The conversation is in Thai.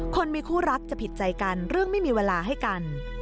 คนมีคู่รักจะผิดใจกันเรื่องไม่มีเวลาให้กัน